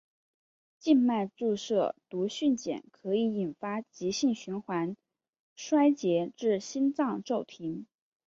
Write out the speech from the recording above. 静脉注射毒蕈碱可以引发急性循环衰竭至心脏骤停。